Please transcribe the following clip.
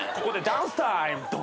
ここでダンスタイム。